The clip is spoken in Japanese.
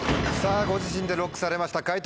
ご自身でＬＯＣＫされました解答